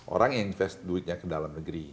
orang invest duitnya ke dalam negeri